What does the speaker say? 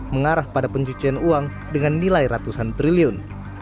mengarah pada pencucian uang dengan nilai ratusan triliun